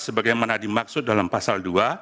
sebagaimana dimaksud dalam pasal dua